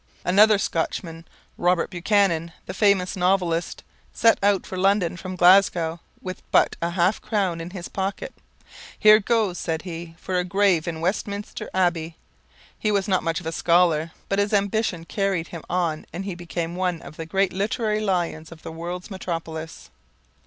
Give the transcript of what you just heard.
Another Scotchman, Robert Buchanan, the famous novelist, set out for London from Glasgow with but half a crown in his pocket. "Here goes," said he, "for a grave in Westminster Abbey." He was not much of a scholar, but his ambition carried him on and he became one of the great literary lions of the world's metropolis.